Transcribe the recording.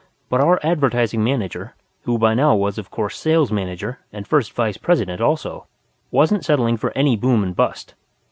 But our Advertising Manager, who by now was of course Sales Manager and First Vice President also, wasn't settling for any boom and bust.